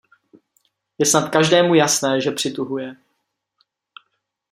Je snad každému jasné, že přituhuje.